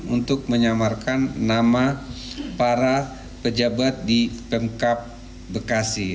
untuk menyamarkan nama para pejabat di pemkap bekasi